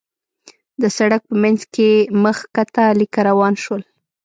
د سړک په مينځ کې مخ کښته ليکه روان شول.